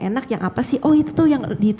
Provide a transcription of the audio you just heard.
enak yang apa sih oh itu tuh yang